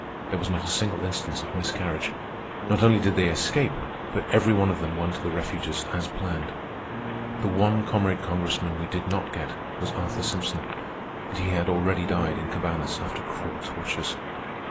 There was not a single instance of miscarriage. Not only did they escape, but every one of them won to the refuges as planned. The one comrade Congressman we did not get was Arthur Simpson, and he had already died in Cabañas after cruel tortures.